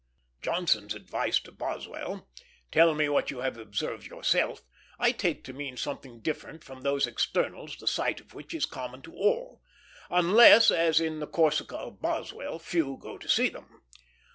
Johnson's advice to Boswell, "Tell what you have observed yourself," I take to mean something different from those externals the sight of which is common to all; unless, as in the Corsica of Boswell, few go to see them.